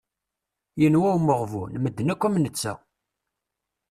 Yenwa umeɣbun, medden akk am netta.